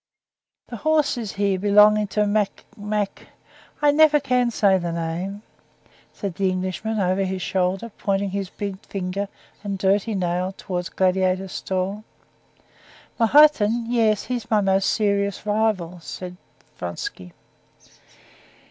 "The horse is here belonging to Mak... Mak... I never can say the name," said the Englishman, over his shoulder, pointing his big finger and dirty nail towards Gladiator's stall. "Mahotin? Yes, he's my most serious rival," said Vronsky.